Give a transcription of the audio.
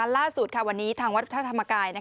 ล่าสุดวันนี้ทางวัดพระธรรมกาย